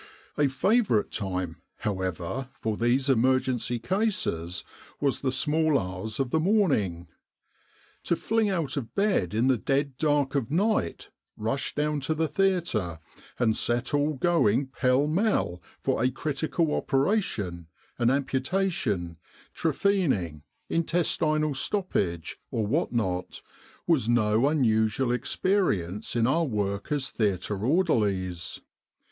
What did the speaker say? A favourite time, however, for these emergency cases was the small hours of the morning. To fling out of bed in the dead dark of night, rush down to the theatre, and 257 With the R.A.M.C. in Egypt set all going pell mell for a critical operation an amputation, trephining, intestinal stoppage, or what not was no unusual experience in our work as theatre orderlies.